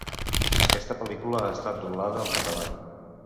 Aquesta pel·lícula ha estat doblada al català.